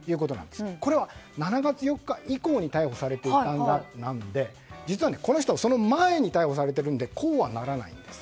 これは、７月４日以降に逮捕されてなので実はこの人、その前に逮捕されているのでこうはならないんです。